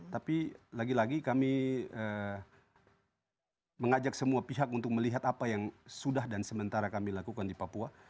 tapi lagi lagi kami mengajak semua pihak untuk melihat apa yang sudah dan sementara kami lakukan di papua